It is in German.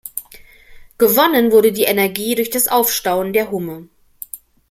Gewonnen wurde die Energie durch das Aufstauen der Humme.